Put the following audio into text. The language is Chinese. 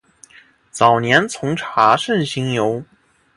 早年从查慎行游。